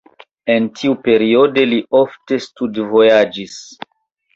En tiu periodo li ofte studvojaĝis.